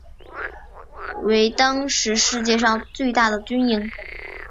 为当时世界上最大的军营。